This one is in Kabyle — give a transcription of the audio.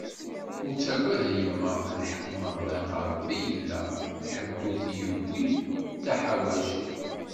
Ur ttagad a yemma, lḥeq imeɣban ɣer Rebbi i yella, ḥedd ur t-yewwi d taḥawact.